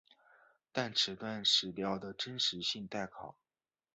但此段史料的真实性待考。